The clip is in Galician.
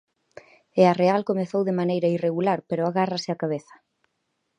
E a Real comezou de maneira irregular, pero agárrase á cabeza.